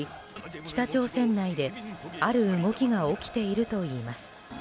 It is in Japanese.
北朝鮮内である動きが起きているといいます。